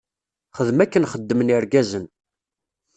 Xdem akken xeddmen irgazen.